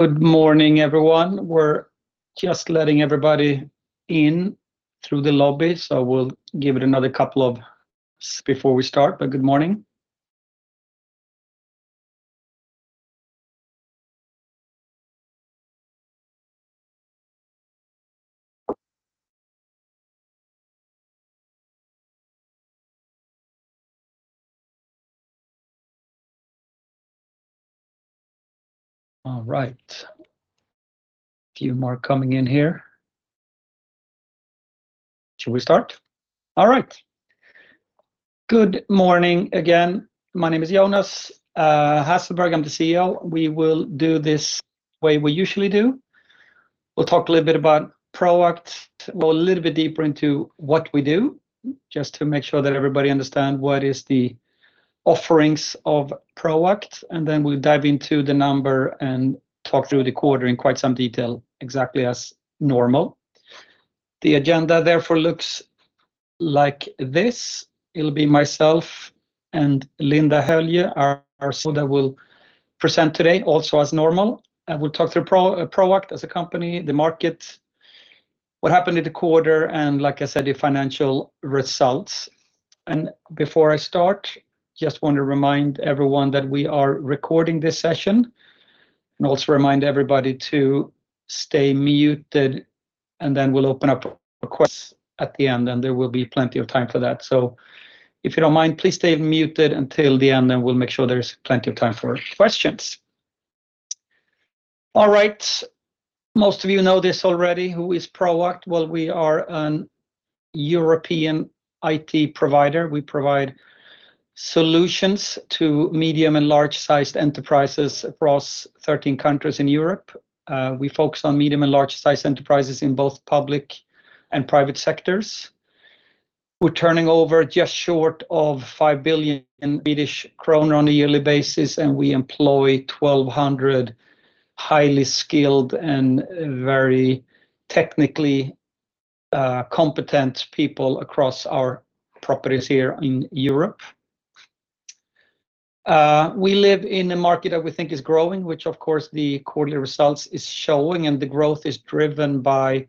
Good morning, everyone. We're just letting everybody in through the lobby, so we'll give it another couple of seconds before we start. Good morning. All right. A few more coming in here. Should we start? All right. Good morning again. My name is Jonas Hasselberg. I'm the CEO. We will do this the way we usually do. We'll talk a little bit about Proact, go a little bit deeper into what we do, just to make sure that everybody understand what is the offerings of Proact, then we'll dive into the number and talk through the quarter in quite some detail, exactly as normal. The agenda therefore looks like this. It'll be myself and Linda Höljö that we'll present today also as normal. We'll talk through Proact as a company, the market, what happened in the quarter, and like I said, the financial results. Before I start, just want to remind everyone that we are recording this session. Also remind everybody to stay muted, then we'll open up for questions at the end, and there will be plenty of time for that. If you don't mind, please stay muted until the end, then we'll make sure there's plenty of time for questions. All right. Most of you know this already. Who is Proact? Well, we are an European IT provider. We provide solutions to medium and large-sized enterprises across 13 countries in Europe. We focus on medium and large-sized enterprises in both public and private sectors. We're turning over just short of 5 billion kronor on a yearly basis, and we employ 1,200 highly skilled and very technically competent people across our properties here in Europe. We live in a market that we think is growing, which of course the quarterly results is showing, and the growth is driven by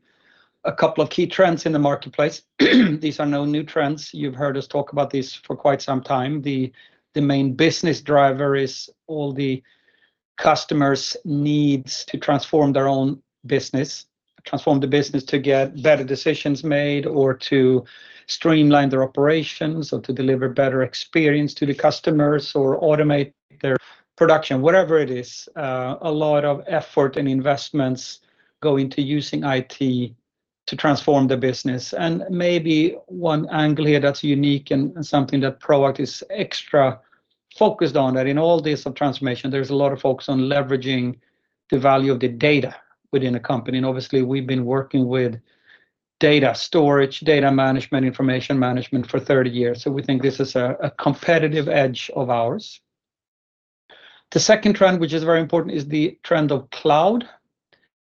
a couple of key trends in the marketplace. These are no new trends. You've heard us talk about this for quite some time. The main business driver is all the customers' needs to transform their own business, transform the business to get better decisions made or to streamline their operations or to deliver better experience to the customers or automate their production. Whatever it is, a lot of effort and investments go into using IT to transform the business. Maybe one angle here that's unique and something that Proact is extra focused on, that in all this of transformation, there's a lot of focus on leveraging the value of the data within a company. Obviously, we've been working with data storage, data management, information management for 30 years. We think this is a competitive edge of ours. The second trend, which is very important, is the trend of cloud.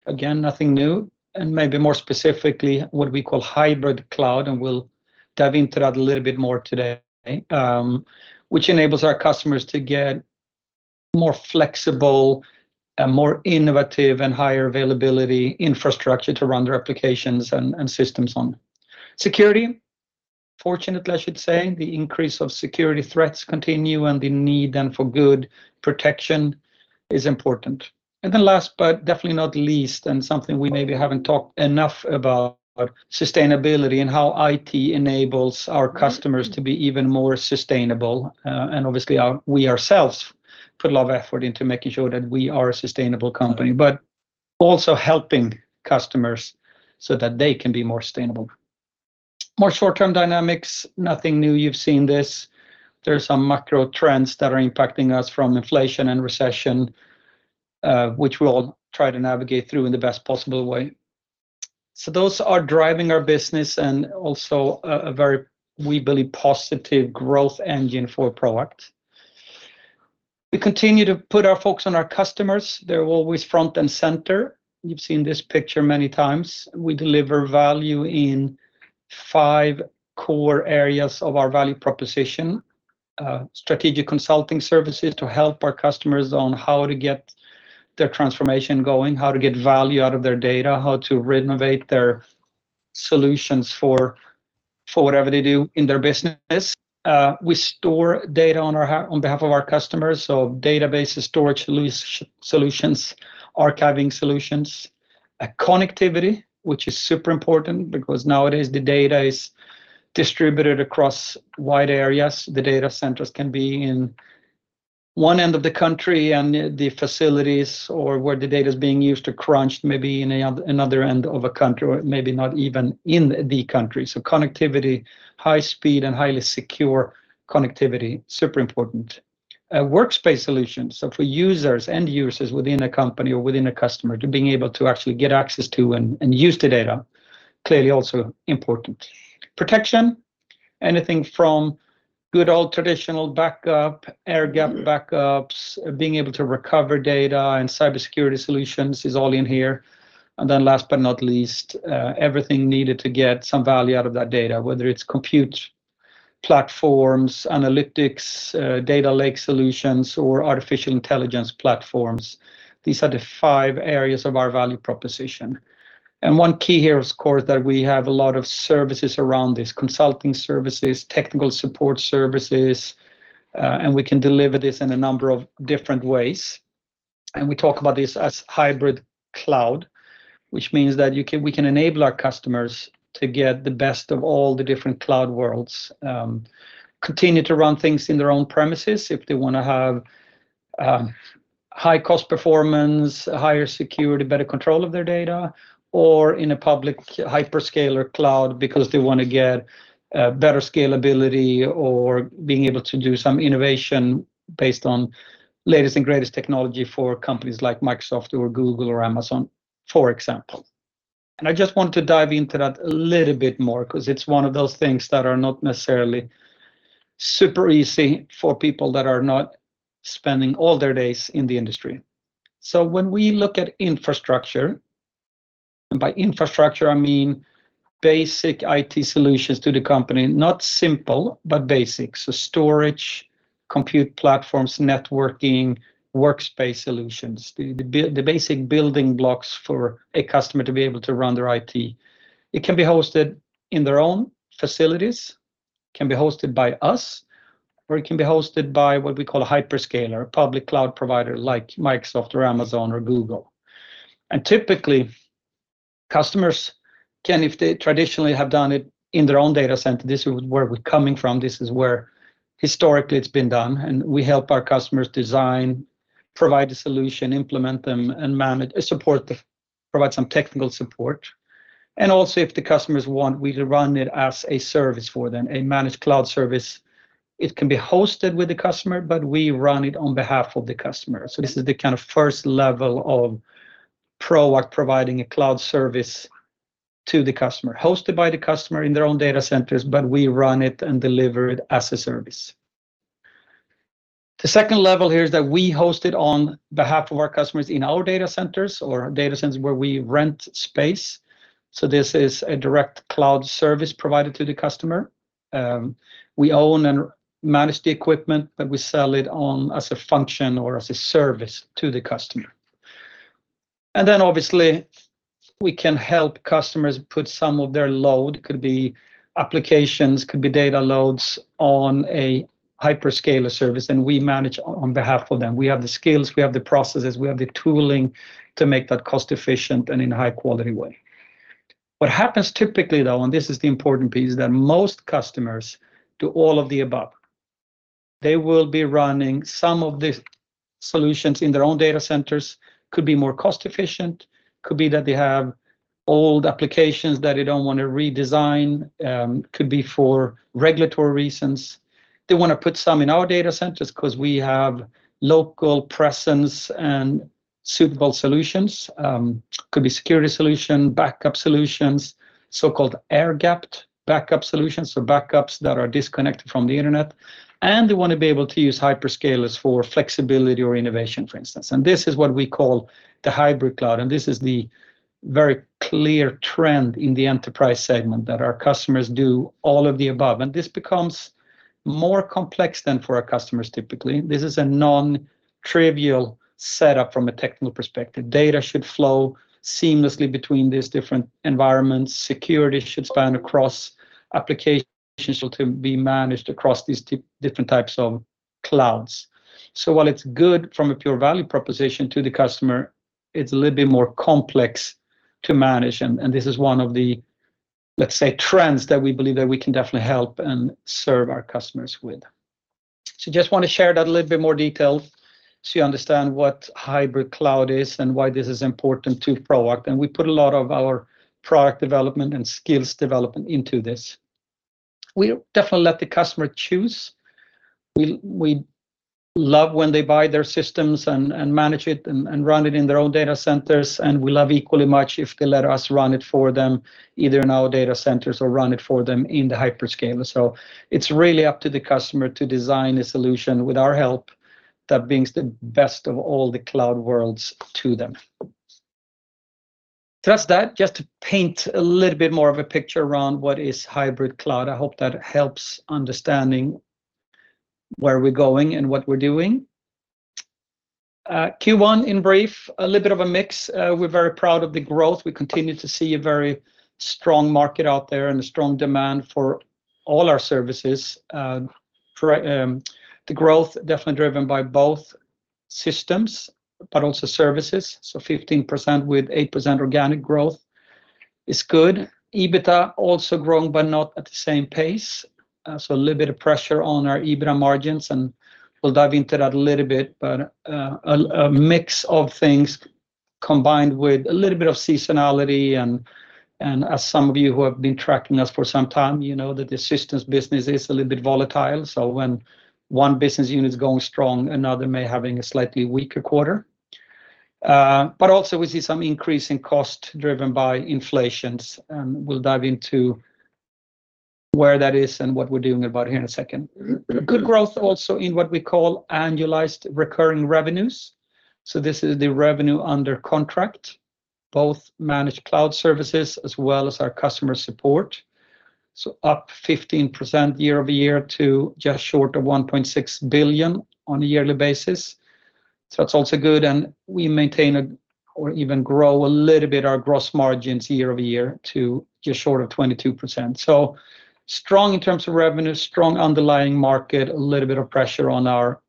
Again, nothing new, and maybe more specifically what we call hybrid cloud, and we'll dive into that a little bit more today, which enables our customers to get more flexible and more innovative and higher availability infrastructure to run their applications and systems on. Security, fortunately, I should say, the increase of security threats continue and the need then for good protection is important. Last but definitely not least, and something we maybe haven't talked enough about, sustainability and how IT enables our customers to be even more sustainable. Obviously we ourselves put a lot of effort into making sure that we are a sustainable company. Also helping customers so that they can be more sustainable. More short-term dynamics, nothing new. You've seen this. There are some macro trends that are impacting us from inflation and recession, which we'll try to navigate through in the best possible way. Those are driving our business and also a very, we believe, positive growth engine for Proact. We continue to put our focus on our customers. They're always front and center. You've seen this picture many times. We deliver value in five core areas of our value proposition. Strategic consulting services to help our customers on how to get their transformation going, how to get value out of their data, how to renovate their solutions for whatever they do in their business. We store data on behalf of our customers, so databases, storage solutions, archiving solutions. Connectivity, which is super important because nowadays the data is distributed across wide areas. The data centers can be in one end of the country, and the facilities or where the data is being used or crunched maybe in another end of a country or maybe not even in the country. Connectivity, high speed and highly secure connectivity, super important. Workspace solutions, so for users, end users within a company or within a customer, to being able to actually get access to and use the data, clearly also important. Protection, anything from good old traditional backup, air-gapped backups, being able to recover data and cybersecurity solutions is all in here. Last but not least, everything needed to get some value out of that data, whether it's compute platforms, analytics, data lake solutions, or artificial intelligence platforms. These are the five areas of our value proposition. One key here, of course, that we have a lot of services around this, consulting services, technical support services, and we can deliver this in a number of different ways. We talk about this as hybrid cloud, which means that we can enable our customers to get the best of all the different cloud worlds, continue to run things in their own premises if they wanna have high-cost performance, higher security, better control of their data, or in a public hyperscaler cloud because they wanna get better scalability or being able to do some innovation based on latest and greatest technology for companies like Microsoft or Google or Amazon, for example. I just want to dive into that a little bit more 'cause it's one of those things that are not necessarily super easy for people that are not spending all their days in the industry. When we look at infrastructure, and by infrastructure, I mean basic IT solutions to the company, not simple, but basic. Storage, compute platforms, networking, workspace solutions, the basic building blocks for a customer to be able to run their IT. It can be hosted in their own facilities, can be hosted by us, or it can be hosted by what we call a hyperscaler, a public cloud provider like Microsoft or Amazon or Google. Typically, customers can, if they traditionally have done it in their own data center, this is where we're coming from, this is where historically it's been done, and we help our customers design, provide a solution, implement them, and manage, provide some technical support. Also, if the customers want, we can run it as a service for them, a managed cloud service. It can be hosted with the customer, but we run it on behalf of the customer. This is the kind of first level of Proact providing a cloud service to the customer, hosted by the customer in their own data centers, but we run it and deliver it as a service. The second level here is that we host it on behalf of our customers in our data centers or data centers where we rent space. This is a direct cloud service provided to the customer. We own and manage the equipment, but we sell it on as a function or as a service to the customer. Then obviously, we can help customers put some of their load, could be applications, could be data loads, on a hyperscaler service, and we manage on behalf of them. We have the skills, we have the processes, we have the tooling to make that cost-efficient and in a high-quality way. What happens typically, though, and this is the important piece, that most customers do all of the above. They will be running some of the solutions in their own data centers, could be more cost-efficient, could be that they have old applications that they don't wanna redesign, could be for regulatory reasons. They wanna put some in our data centers 'cause we have local presence and suitable solutions. Could be security solution, backup solutions, so-called air-gapped backup solutions, so backups that are disconnected from the internet. They wanna be able to use hyperscalers for flexibility or innovation, for instance. This is what we call the hybrid cloud, and this is the very clear trend in the enterprise segment that our customers do all of the above. This becomes more complex than for our customers typically. This is a non-trivial setup from a technical perspective. Data should flow seamlessly between these different environments. Security should span across applications to be managed across these different types of clouds. This is one of the, let's say, trends that we believe that we can definitely help and serve our customers with. Just wanna share that a little bit more detail so you understand what hybrid cloud is and why this is important to Proact. We put a lot of our product development and skills development into this. We definitely let the customer choose. We love when they buy their systems and manage it and run it in their own data centers. We love equally much if they let us run it for them, either in our data centers or run it for them in the hyperscaler. It's really up to the customer to design a solution with our help that brings the best of all the cloud worlds to them. That's just to paint a little bit more of a picture around what is hybrid cloud. I hope that helps understanding where we're going and what we're doing. Q1, in brief, a little bit of a mix. We're very proud of the growth. We continue to see a very strong market out there and a strong demand for all our services. The growth definitely driven by both systems but also services. 15% with 8% organic growth is good. EBITDA also growing, but not at the same pace. A little bit of pressure on our EBITDA margins. We'll dive into that a little bit. A mix of things combined with a little bit of seasonality and as some of you who have been tracking us for some time, you know that the systems business is a little bit volatile. When one business unit is going strong, another may having a slightly weaker quarter. Also we see some increase in cost driven by inflations. We'll dive into where that is and what we're doing about it here in a second. Good growth also in what we call annualized recurring revenues. This is the revenue under contract, both managed cloud services as well as our customer support. Up 15% year-over-year to just short of 1.6 billion on a yearly basis. That's also good. We maintain or even grow a little bit our gross margins year-over-year to just short of 22%. Strong in terms of revenue, strong underlying market, a little bit of pressure on our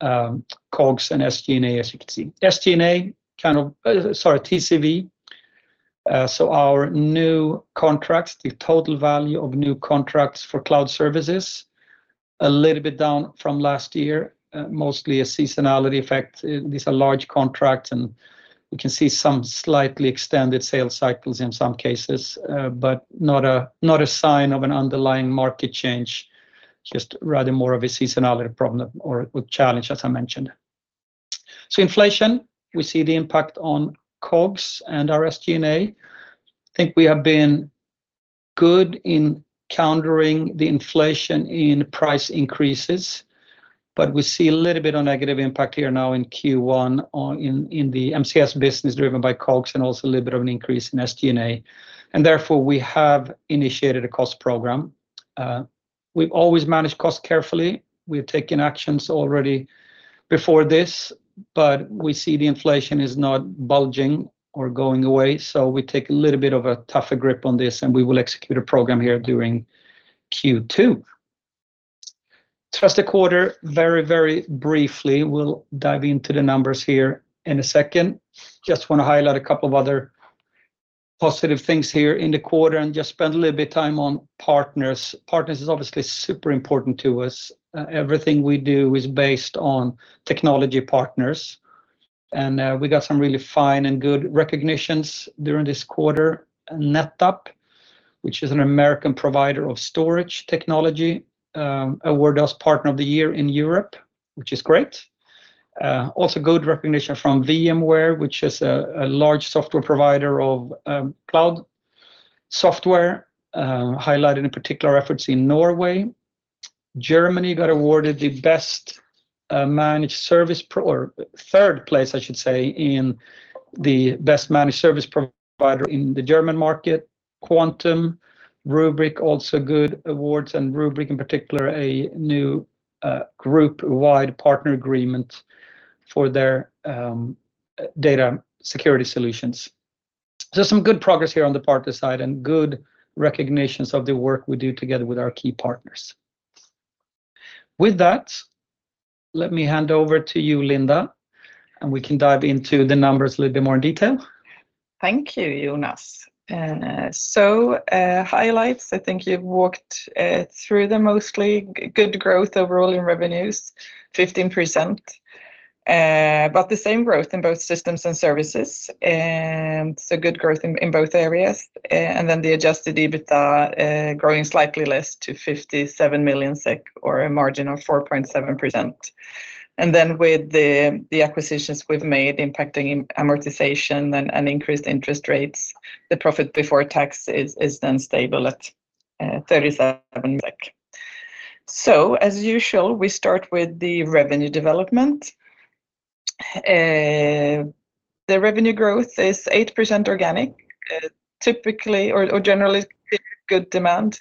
COGS and SG&A, as you can see. SG&A, kind of, sorry, TCV. Our new contracts, the total value of new contracts for cloud services, a little bit down from last year, mostly a seasonality effect. These are large contracts, and we can see some slightly extended sales cycles in some cases, but not a sign of an underlying market change, just rather more of a seasonality problem or challenge, as I mentioned. Inflation, we see the impact on COGS and our SG&A. I think we have been good in countering the inflation in price increases, but we see a little bit of negative impact here now in Q1 in the MCS business driven by COGS and also a little bit of an increase in SG&A. Therefore, we have initiated a cost program. We've always managed costs carefully. We've taken actions already before this, but we see the inflation is not bulging or going away. We take a little bit of a tougher grip on this, and we will execute a program here during Q2. Trust the quarter very briefly. We'll dive into the numbers here in a second. Just want to highlight a couple of other positive things here in the quarter and just spend a little bit of time on partners. Partners is obviously super important to us. Everything we do is based on technology partners. We got some really fine and good recognitions during this quarter. NetApp, which is an American provider of storage technology, awarded us Partner of the Year in Europe, which is great. Also good recognition from VMware, which is a large software provider of cloud software, highlighted in particular efforts in Norway. Germany got awarded the best managed service provider, third place, I should say, in the best managed service provider in the German market. Quantum, Rubrik, also good awards. Rubrik, in particular, a new group-wide partner agreement for their data security solutions. Some good progress here on the partner side and good recognitions of the work we do together with our key partners. With that, let me hand over to you, Linda, and we can dive into the numbers a little bit more in detail. Thank you, Jonas. Highlights, I think you've walked through them mostly. Good growth overall in revenues, 15%. The same growth in both systems and services. Good growth in both areas. The adjusted EBITDA growing slightly less to 57 million SEK or a margin of 4.7%. With the acquisitions we've made impacting amortization and increased interest rates, the profit before tax is then stable at 37 SEK. As usual, we start with the revenue development. The revenue growth is 8% organic, typically or generally good demand.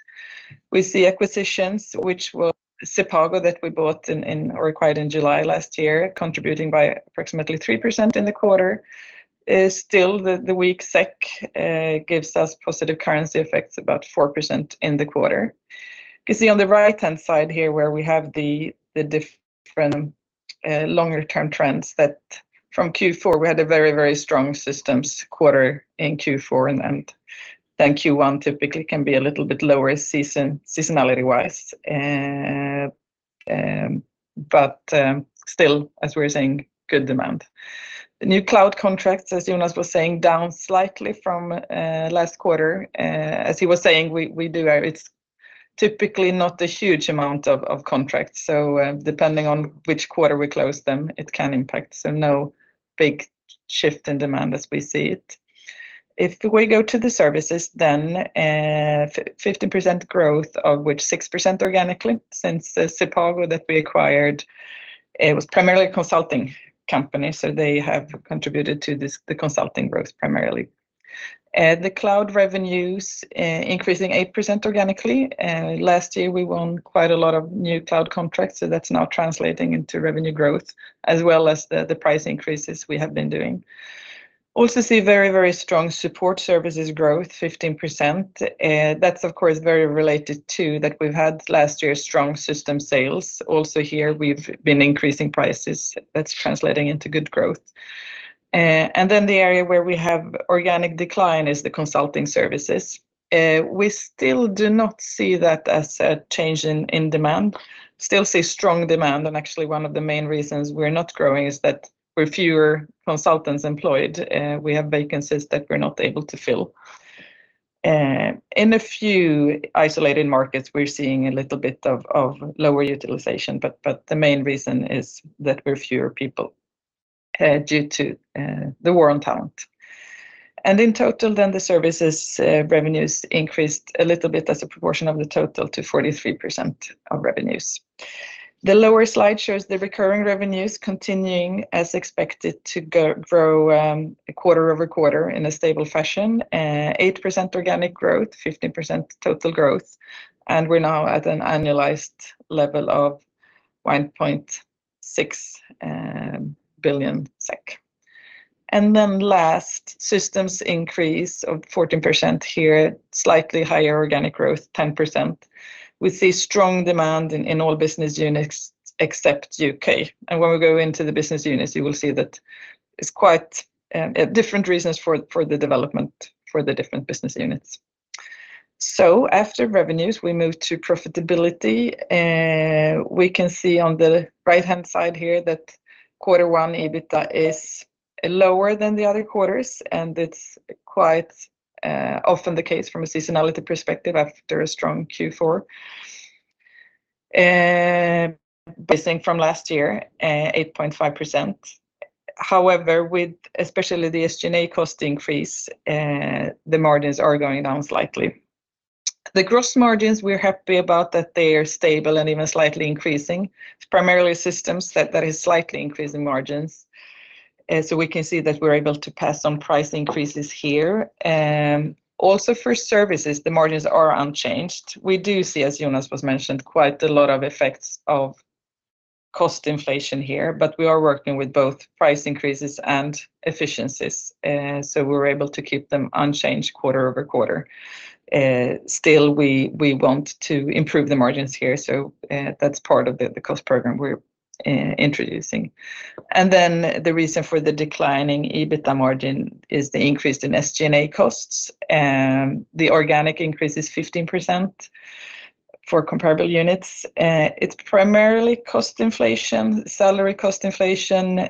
We see acquisitions, which was sepago that we bought or acquired in July last year, contributing by approximately 3% in the quarter. The weak SEK gives us positive currency effects, about 4% in the quarter. You can see on the right-hand side here where we have the different longer-term trends that from Q4, we had a very, very strong systems quarter in Q4. Q1 typically can be a little bit lower seasonality-wise. As we were saying, good demand. New cloud contracts, as Jonas was saying, down slightly from last quarter. As he was saying, it's typically not a huge amount of contracts. Depending on which quarter we close them, it can impact. No big shift in demand as we see it. If we go to the services then, 15% growth, of which 6% organically since sepago that we acquired. It was primarily a consulting company, they have contributed to the consulting growth primarily. The cloud revenues increasing 8% organically. Last year, we won quite a lot of new cloud contracts, that's now translating into revenue growth, as well as the price increases we have been doing. Also see very, very strong support services growth, 15%. That's, of course, very related to that we've had last year strong system sales. Also here, we've been increasing prices. That's translating into good growth. Then the area where we have organic decline is the consulting services. We still do not see that as a change in demand. Still see strong demand. Actually, one of the main reasons we're not growing is that we're fewer consultants employed. We have vacancies that we're not able to fill. In a few isolated markets, we're seeing a little bit of lower utilization. The main reason is that we're fewer people. Due to the war on talent. In total the services revenues increased a little bit as a proportion of the total to 43% of revenues. The lower slide shows the recurring revenues continuing as expected to grow quarter-over-quarter in a stable fashion, 8% organic growth, 15% total growth, we're now at an annualized level of SEK 1.6 billion. Last, systems increase of 14% here, slightly higher organic growth, 10% with a strong demand in all business units except UK When we go into the business units, you will see that it's quite different reasons for the development for the different business units. After revenues, we move to profitability, we can see on the right-hand side here that Q1 EBITDA is lower than the other quarters, and it's quite often the case from a seasonality perspective after a strong Q4. This thing from last year, 8.5%. However, with especially the SG&A cost increase, the margins are going down slightly. The gross margins we're happy about that they are stable and even slightly increasing. It's primarily systems that is slightly increasing margins. We can see that we're able to pass on price increases here. Also for services, the margins are unchanged. We do see, as Jonas was mentioned, quite a lot of effects of cost inflation here, but we are working with both price increases and efficiencies. We're able to keep them unchanged quarter-over-quarter. Still, we want to improve the margins here, so that's part of the cost program we're introducing. The reason for the declining EBITDA margin is the increase in SG&A costs. The organic increase is 15% for comparable units. It's primarily cost inflation, salary cost inflation,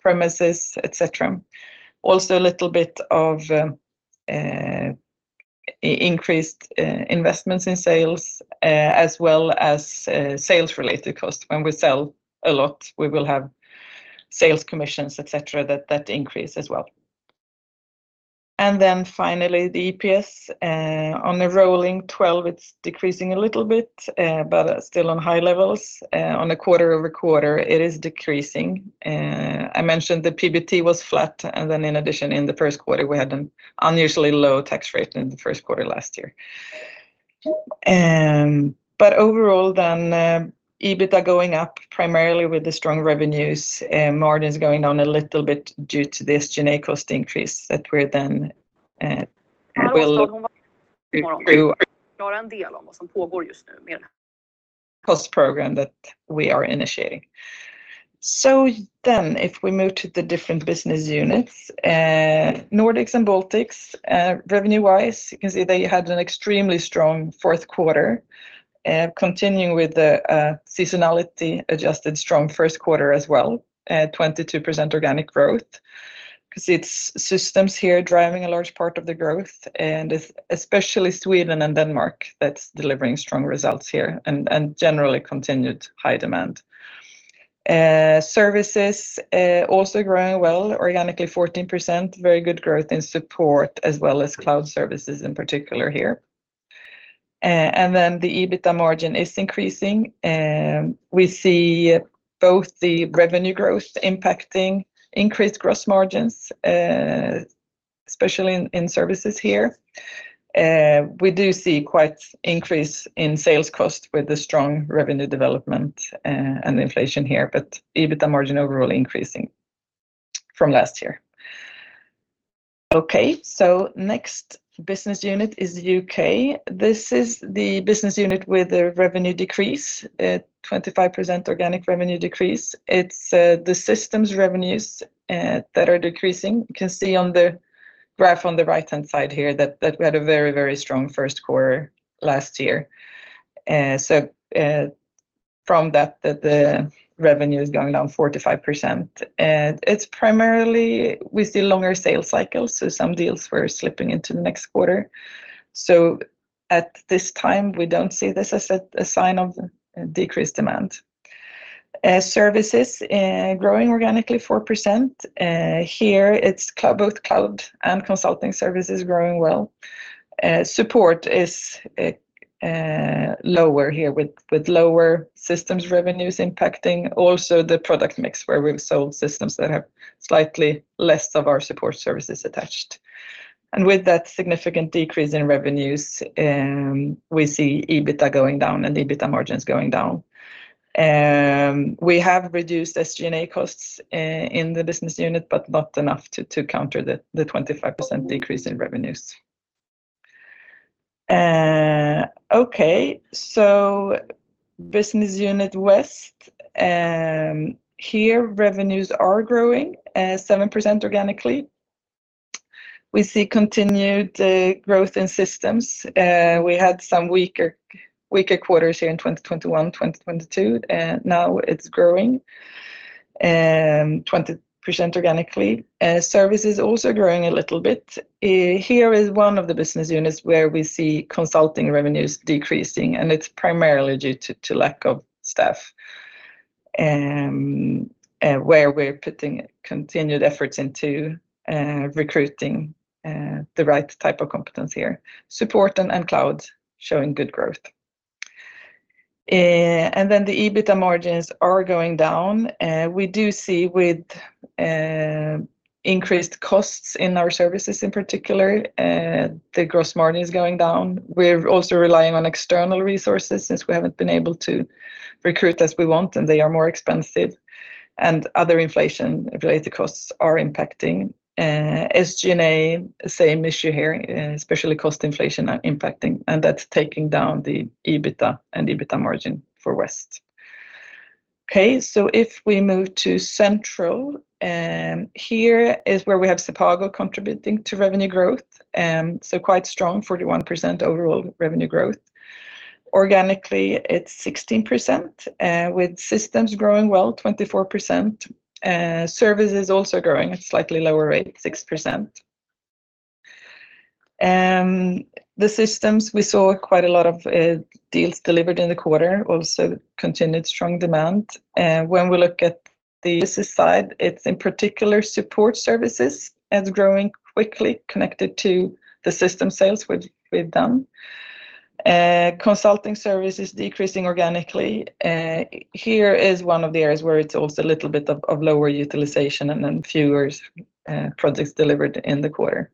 premises, et cetera. Also a little bit of increased investments in sales, as well as sales related costs. When we sell a lot, we will have sales commissions, et cetera, that increase as well. Finally, the EPS on the rolling 12, it's decreasing a little bit, but still on high levels. On a quarter-over-quarter, it is decreasing. I mentioned the PBT was flat, and then in addition, in the Q1, we had an unusually low tax rate than the Q1 last year. Overall, EBITDA going up primarily with the strong revenues, margins going down a little bit due to the SG&A cost increase that we're then, cost program that we are initiating. If we move to the different business units, Nordics and Baltics, revenue-wise, you can see they had an extremely strong fourth quarter, continuing with the seasonality adjusted strong Q1 as well at 22% organic growth. 'Cause it's systems here driving a large part of the growth, and especially Sweden and Denmark that's delivering strong results here and generally continued high demand. Services, also growing well organically 14%. Very good growth in support as well as cloud services in particular here. The EBITDA margin is increasing. We see both the revenue growth impacting increased gross margins, especially in services here. We do see quite increase in sales cost with the strong revenue development and inflation here, but EBITDA margin overall increasing from last year. Next business unit is UK. This is the business unit with a revenue decrease at 25% organic revenue decrease. It's the systems revenues that are decreasing. You can see on the graph on the right-hand side here that we had a very strong Q1 last year. From that, the revenue is going down 45%. It's primarily we see longer sales cycles, some deals were slipping into the next quarter. At this time, we don't see this as a sign of decreased demand. Services growing organically 4%. Here it's both cloud and consulting services growing well. Support is lower here with lower systems revenues impacting also the product mix where we've sold systems that have slightly less of our support services attached. With that significant decrease in revenues, we see EBITDA going down and EBITDA margins going down. We have reduced SG&A costs in the business unit, but not enough to counter the 25% decrease in revenues. Okay. Business unit West. Here revenues are growing at 7% organically. We see continued growth in systems. We had some weaker quarters here in 2021, 2022, now it's growing 20% organically. owing a little bit. Here is one of the business units where we see consulting revenues decreasing, and it's primarily due to lack of staff, and where we're putting continued efforts into recruiting the right type of competence here. Support and cloud showing good growth. Then the EBITDA margins are going down. We do see with increased costs in our services in particular, the gross margin is going down. We're also relying on external resources since we haven't been able to recruit as we want, and they are more expensive, and other inflation-related costs are impacting. SG&A, same issue here, especially cost inflation are impacting, and that's taking down the EBITDA and EBITDA margin for West. If we move to Central, here is where we have sepago contributing to revenue growth, quite strong, 41% overall revenue growth. Organically, it's 16%, with systems growing well, 24%. Service is also growing at a slightly lower rate, 6%. The systems we saw quite a lot of deals delivered in the quarter, also continued strong demand. When we look at the business side, it's in particular support services is growing quickly connected to the system sales we've done. Consulting services decreasing organically. Here is one of the areas where it's also a little bit of lower utilization and then fewer projects delivered in the quarter.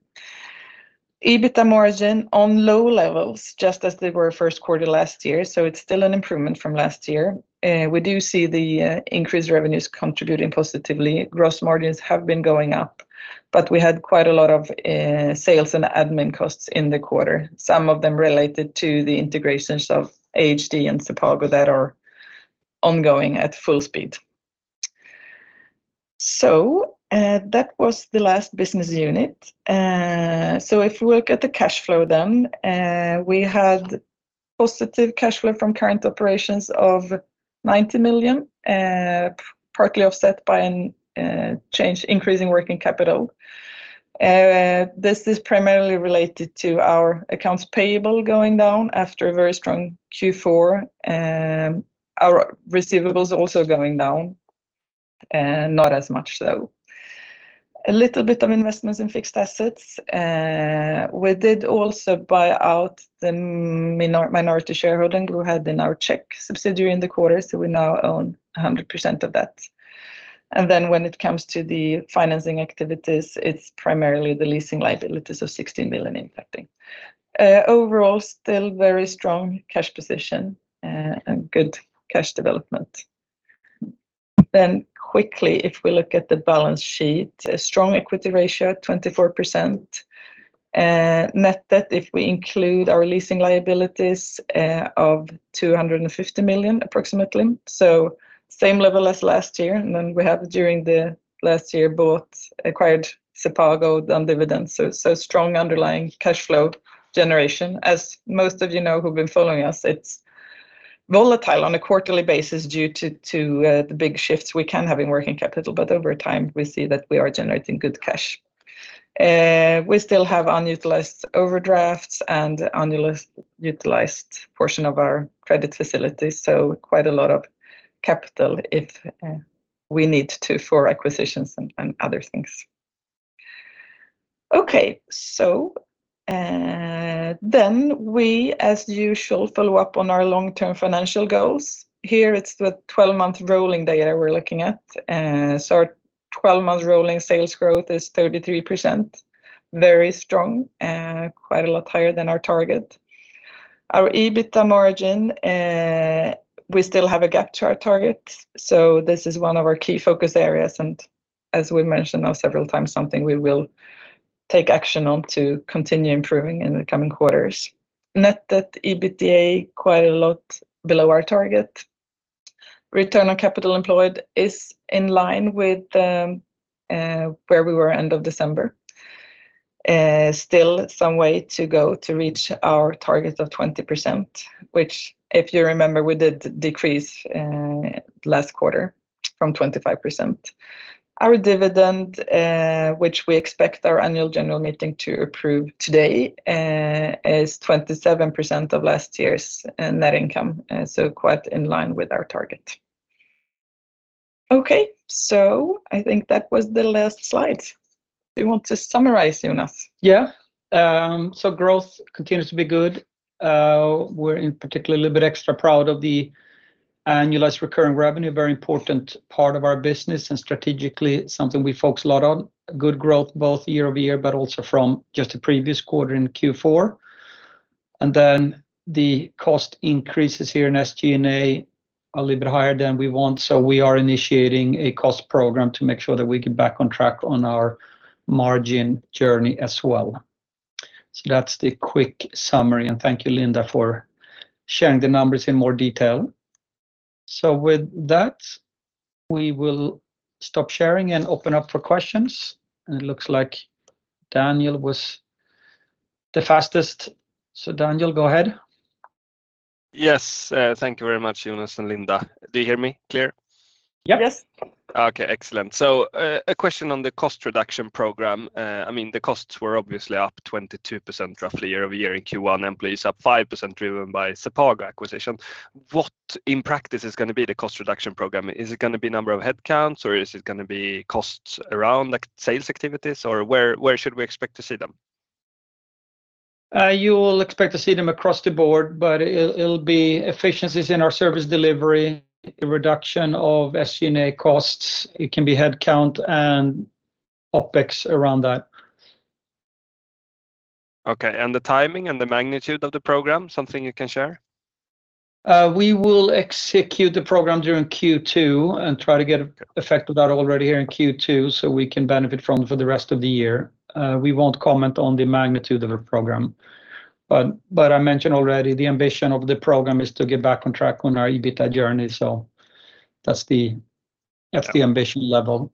EBITDA margin on low levels, just as they were Q1 last year, it's still an improvement from last year. We do see the increased revenues contributing positively. Gross margins have been going up, but we had quite a lot of sales and admin costs in the quarter. Some of them related to the integrations of ahd and sepago that are ongoing at full speed. That was the last business unit. If we look at the cash flow, we had positive cash flow from current operations of 90 million, partly offset by an change increase in working capital. This is primarily related to our accounts payable going down after a very strong Q4. Our receivables also going down, not as much so. A little bit of investments in fixed assets. We did also buy out the minority shareholder in GO-AHEAD in our Czech subsidiary in the quarter, so we now own 100% of that. When it comes to the financing activities, it's primarily the leasing liabilities of 16 million impacting. Overall, still very strong cash position and good cash development. Quickly, if we look at the balance sheet, a strong equity ratio, 24%. Net debt, if we include our leasing liabilities, of 250 million, approximately. Same level as last year. We have during the last year bought, acquired sepago on dividends. Strong underlying cash flow generation. As most of you know who've been following us, it's volatile on a quarterly basis due to the big shifts we can have in working capital. Over time, we see that we are generating good cash. We still have unutilized overdrafts and utilized portion of our credit facilities, so quite a lot of capital if we need to for acquisitions and other things. Then we, as usual, follow up on our long-term financial goals. Here, it's the 12-month rolling data we're looking at. Our 12-month rolling sales growth is 33%. Very strong and quite a lot higher than our target. Our EBITDA margin, we still have a gap to our target, so this is one of our key focus areas. As we mentioned now several times, something we will take action on to continue improving in the coming quarters. Net debt EBITDA quite a lot below our target. Return on capital employed is in line with where we were end of December. Still some way to go to reach our target of 20%, which, if you remember, we did decrease, last quarter from 25%. Our dividend, which we expect our annual general meeting to approve today, is 27% of last year's net income, so quite in line with our target. Okay. I think that was the last slide. Do you want to summarize, Jonas? Yeah. Growth continues to be good. We're in particular a little bit extra proud of the annualized recurring revenue, very important part of our business and strategically something we focus a lot on. Good growth both year-over-year, but also from just the previous quarter in Q4. The cost increases here in SG&A a little bit higher than we want. We are initiating a cost program to make sure that we get back on track on our margin journey as well. That's the quick summary. Thank you, Linda, for sharing the numbers in more detail. With that, we will stop sharing and open up for questions. It looks like Daniel was the fastest. Daniel, GO-AHEAD. Yes. thank you very much, Jonas and Linda. Do you hear me clear? Yeah. Yes. Okay. Excellent. A question on the cost reduction program. I mean, the costs were obviously up 22% roughly year-over-year in Q1, employees up 5% driven by sepago acquisition. What in practice is gonna be the cost reduction program? Is it gonna be number of headcounts, or is it gonna be costs around, like, sales activities? Where should we expect to see them? You'll expect to see them across the board, it'll be efficiencies in our service delivery, a reduction of SG&A costs. It can be headcount and OpEx around that. Okay. The timing and the magnitude of the program, something you can share? We will execute the program during Q2 and try to get effect of that already here in Q2, so we can benefit from it for the rest of the year. We won't comment on the magnitude of the program. I mentioned already the ambition of the program is to get back on track on our EBITDA journey. That's the ambition level.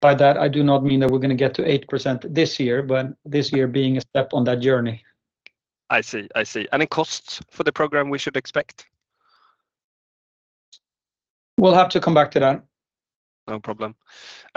By that, I do not mean that we're gonna get to 8% this year, but this year being a step on that journey. I see. I see. Any costs for the program we should expect? We'll have to come back to that. No problem.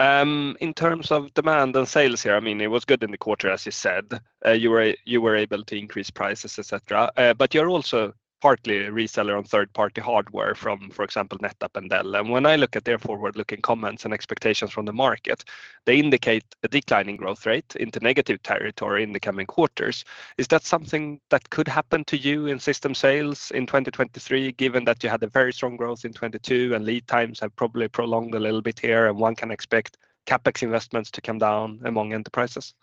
In terms of demand and sales here, I mean, it was good in the quarter, as you said. You were able to increase prices, et cetera. You're also partly a reseller on third-party hardware from, for example, NetApp and Dell. When I look at their forward-looking comments and expectations from the market, they indicate a declining growth rate into negative territory in the coming quarters. Is that something that could happen to you in system sales in 2023, given that you had a very strong growth in 2022 and lead times have probably prolonged a little bit here and one can expect CapEx investments to come down among enterprises?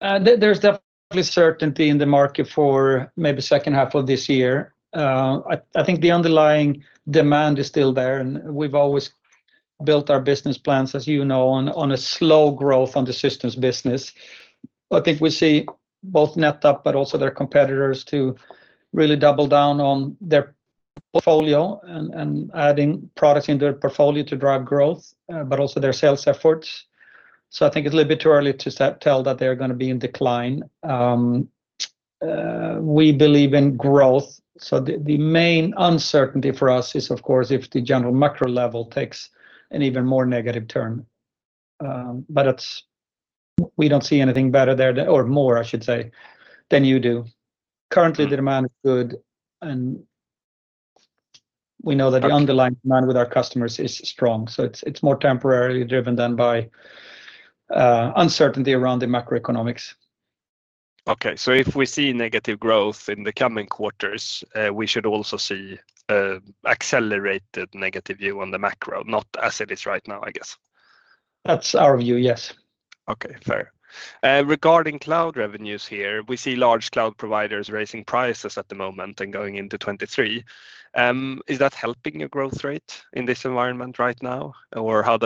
There's definitely certainty in the market for maybe second half of this year. I think the underlying demand is still there, and we've always built our business plans, as you know, on a slow growth on the systems business. I think we see both NetApp but also their competitors to really double down on their portfolio and adding products into their portfolio to drive growth, but also their sales efforts. I think it's a little bit too early to tell that they're gonna be in decline. We believe in growth, so the main uncertainty for us is, of course, if the general macro level takes an even more negative turn. We don't see anything better there, or more, I should say, than you do. Currently, the demand is good, and we know that the underlying demand with our customers is strong. It's more temporarily driven than by uncertainty around the macroeconomics. Okay. if we see negative growth in the coming quarters, we should also see a accelerated negative view on the macro, not as it is right now, I guess. That's our view, yes. Okay. Fair. Regarding cloud revenues here, we see large cloud providers raising prices at the moment and going into 2023. Is that helping your growth rate in this environment right now, or how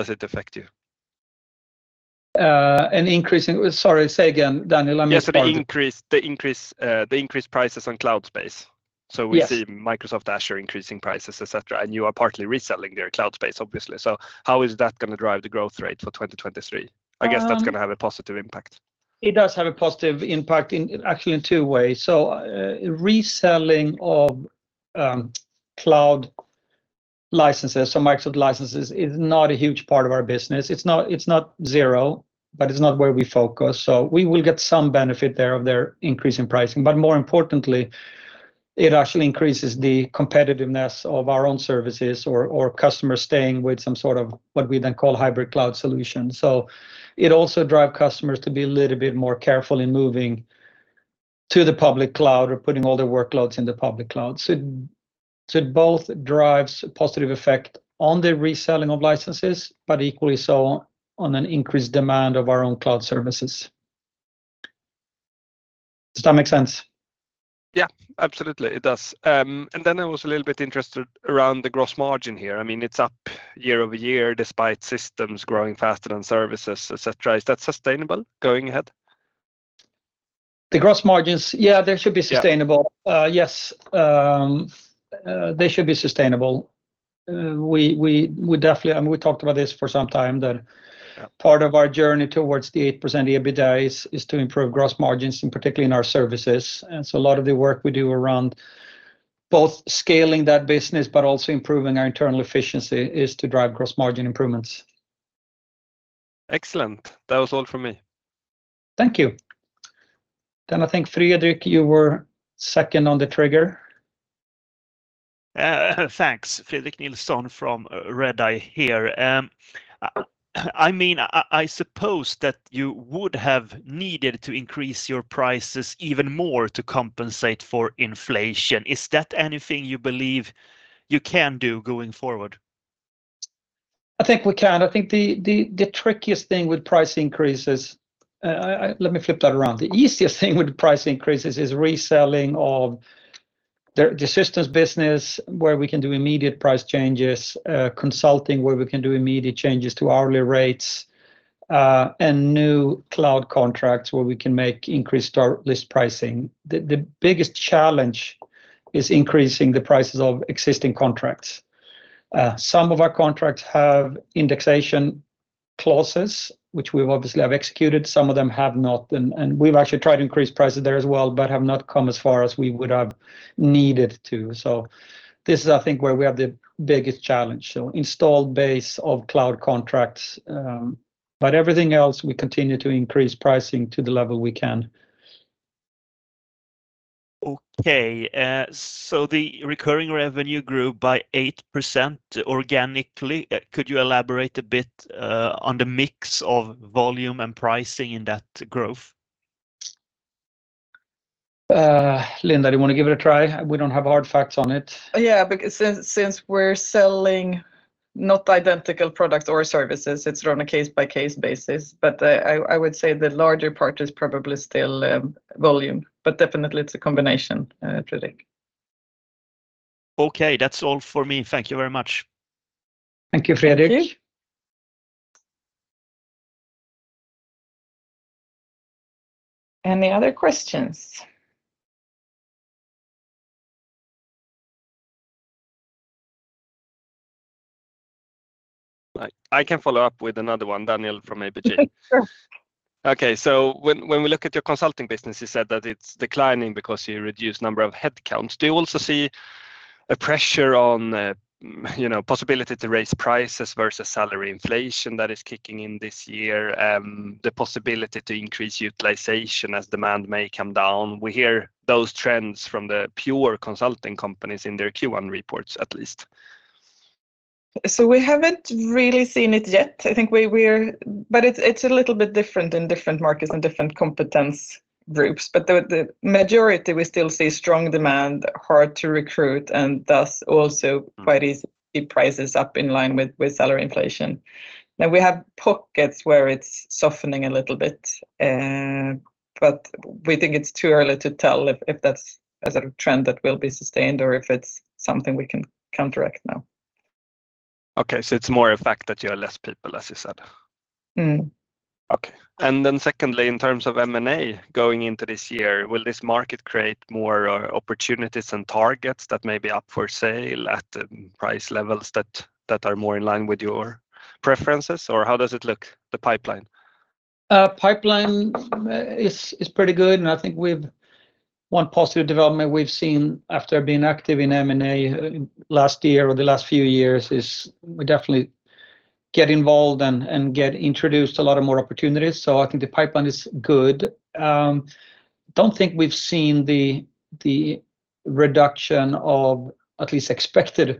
does it affect you? An increase in... Sorry. Say again, Daniel. I missed part of it. Yes, the increased prices on cloud space. Yes. We see Microsoft Azure increasing prices, et cetera, and you are partly reselling their cloud space obviously. How is that going to drive the growth rate for 2023? Um- I guess that's gonna have a positive impact. It does have a positive impact in, actually in two ways. Reselling of cloud licenses or Microsoft licenses is not a huge part of our business. It's not, it's not zero, but it's not where we focus. We will get some benefit there of their increase in pricing. More importantly, it actually increases the competitiveness of our own services or customers staying with some sort of what we then call hybrid cloud solution. It also drive customers to be a little bit more careful in moving to the public cloud or putting all their workloads in the public cloud. It both drives a positive effect on the reselling of licenses, but equally so on an increased demand of our own cloud services. Does that make sense? Yeah. Absolutely, it does. I was a little bit interested around the gross margin here. I mean, it's up year-over-year despite systems growing faster than services, et cetera. Is that sustainable going ahead? The gross margins? Yeah they should be sustainable. Yes, they should be sustainable. We definitely talked about this for some time, that part of our journey towards the 8% EBITDA is to improve gross margins, and particularly in our services. A lot of the work we do around both scaling that business but also improving our internal efficiency is to drive gross margin improvements. Excellent. That was all from me. Thank you. I think, Fredrik, you were second on the trigger. thanks. Fredrik Nilsson from Redeye here. I mean, I suppose that you would have needed to increase your prices even more to compensate for inflation. Is that anything you believe you can do going forward? I think we can. I think the trickiest thing with price increases. Let me flip that around. The easiest thing with price increases is reselling of the systems business, where we can do immediate price changes, consulting, where we can do immediate changes to hourly rates and new cloud contracts, where we can make increased our list pricing. The biggest challenge is increasing the prices of existing contracts. Some of our contracts have indexation clauses, which we obviously have executed. Some of them have not, and we've actually tried to increase prices there as well, but have not come as far as we would have needed to. This is, I think, where we have the biggest challenge. Installed base of cloud contracts, but everything else, we continue to increase pricing to the level we can. Okay. The recurring revenue grew by 8% organically. Could you elaborate a bit on the mix of volume and pricing in that growth? Linda, do you wanna give it a try? We don't have hard facts on it. Yeah, because since we're selling not identical products or services, it's run a case-by-case basis. I would say the larger part is probably still volume. Definitely it's a combination, Fredrik. Okay. That's all for me. Thank you very much. Thank you, Fredrik. Thank you. Any other questions? I can follow up with another one. Daniel from ABG. Sure. When we look at your consulting business, you said that it's declining because you reduced number of headcounts. Do you also see a pressure on the, you know, possibility to raise prices versus salary inflation that is kicking in this year, the possibility to increase utilization as demand may come down? We hear those trends from the pure consulting companies in their Q1 reports at least. We haven't really seen it yet. I think we. It's a little bit different in different markets and different competence groups. The majority, we still see strong demand, hard to recruit, and thus also quite easy to keep prices up in line with salary inflation. We have pockets where it's softening a little bit, but we think it's too early to tell if that's a trend that will be sustained or if it's something we can counteract now. Okay, it's more a fact that you are less people, as you said. Mm. Okay. Secondly, in terms of M&A going into this year, will this market create more opportunities and targets that may be up for sale at price levels that are more in line with your preferences? How does it look, the pipeline? Pipeline is pretty good, and I think one positive development we've seen after being active in M&A last year or the last few years is we definitely get involved and get introduced to a lot of more opportunities. I think the pipeline is good. Don't think we've seen the reduction of at least expected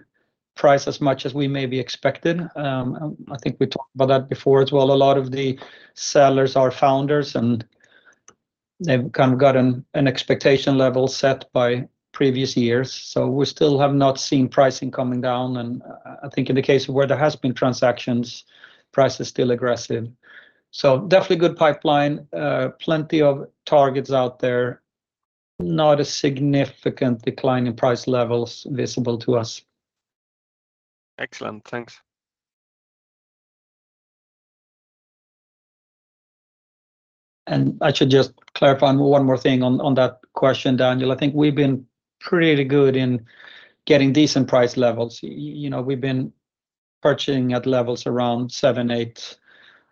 price as much as we maybe expected. I think we talked about that before as well. A lot of the sellers are founders, and they've kind of got an expectation level set by previous years. We still have not seen pricing coming down, and I think in the case of where there has been transactions, price is still aggressive. Definitely good pipeline, plenty of targets out there. Not a significant decline in price levels visible to us. Excellent. Thanks. I should just clarify one more thing on that question, Daniel. I think we've been pretty good in getting decent price levels. You know, we've been purchasing at levels around 7, 8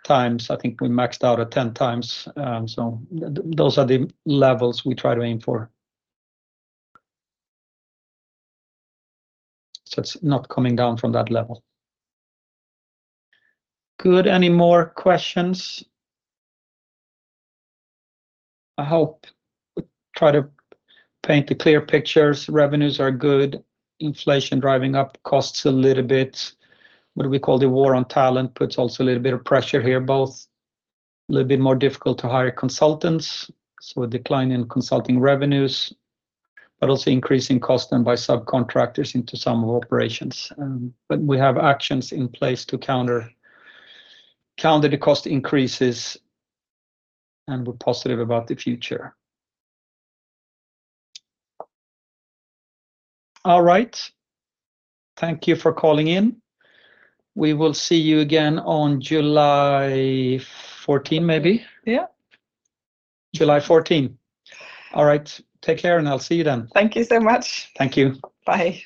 times. I think we maxed out at 10 times. Those are the levels we try to aim for. It's not coming down from that level. Good. Any more questions? I hope we try to paint a clear picture. Revenues are good. Inflation driving up costs a little bit. The war on talent puts also a little bit of pressure here, both a little bit more difficult to hire consultants, so a decline in consulting revenues, but also increasing cost and by subcontractors into some operations. We have actions in place to counter the cost increases, and we're positive about the future. All right. Thank you for calling in. We will see you again on July 14, maybe. Yeah. July 14. All right. Take care, and I'll see you then. Thank you so much. Thank you. Bye.